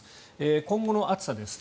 今後の暑さです。